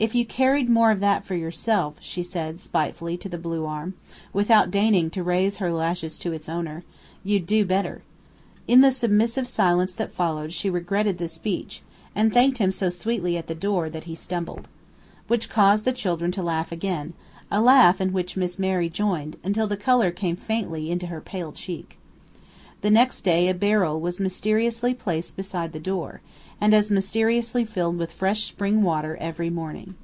"If you carried more of that for yourself," she said, spitefully, to the blue arm, without deigning to raise her lashes to its owner, "you'd do better." In the submissive silence that followed she regretted the speech, and thanked him so sweetly at the door that he stumbled. Which caused the children to laugh again a laugh in which Miss Mary joined, until the color came faintly into her pale cheek. The next day a barrel was mysteriously placed beside the door, and as mysteriously filled with fresh spring water every morning.